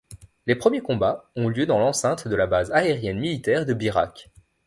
Les premiers combats ont lieu dans l'enceinte de la base aérienne militaire de Birak.